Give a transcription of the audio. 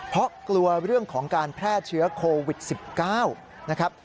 เพราะกลัวเรื่องของการแพร่เชื้อโควิด๑๙นะครับ